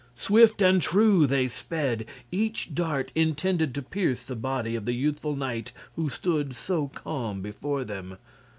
Swift and true they sped, each dart intended to pierce the body of the youthful knight who stood so calm before them.